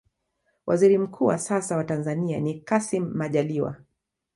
waziri mkuu wa sasa wa tanzania ni kassim majaliwa